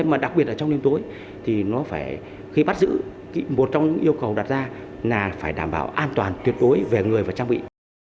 mà đặc biệt là trong đêm tối thì nó phải khi bắt giữ một trong những yêu cầu đặt ra là phải đảm bảo an toàn tuyệt đối về người và trang bị